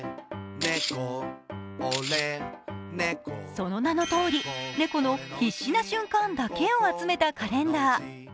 その名のとおり猫の必死な瞬間だけを集めたカレンダー。